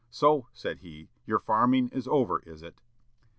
'So,' said he, 'your farming is over, is it?'"